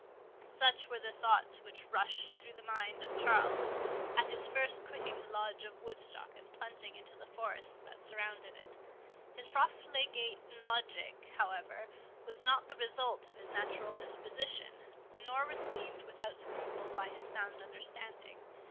Such were the thoughts which rushed through the mind of Charles, at his first quitting the Lodge of Woodstock, and plunging into the forest that surrounded it. His profligate logic, however, was not the result of his natural disposition, nor received without scruple by his sound understanding.